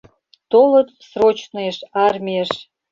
Толыт срочныйыш, армийыш